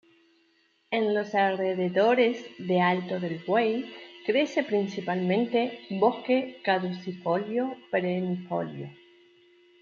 En los alrededores de Alto del Buey, crece principalmente bosque caducifolio perennifolio.